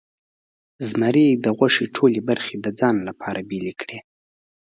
زمري د غوښې ټولې برخې د ځان لپاره بیلې کړې.